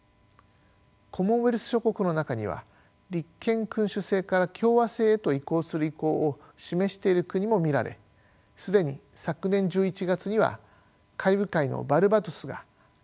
コモンウェルス諸国の中には立憲君主制から共和制へと移行する意向を示している国も見られ既に昨年１１月にはカリブ海のバルバドスが共和制に移行しました。